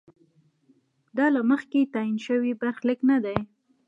دا له مخکې تعین شوی برخلیک نه دی.